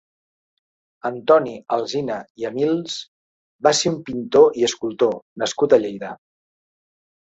Antoni Alsina i Amils va ser un pintor i escultor nascut a Lleida.